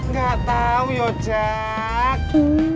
gak tau yojak